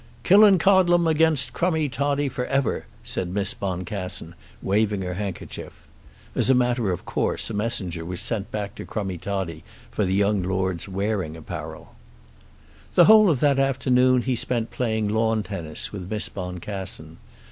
"Killancodlem against Crummie Toddie for ever!" said Miss Boncassen, waving her handkerchief. As a matter of course a messenger was sent back to Crummie Toddie for the young lord's wearing apparel. The whole of that afternoon he spent playing lawn tennis with Miss Boncassen.